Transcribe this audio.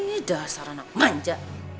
ih dasar anak manja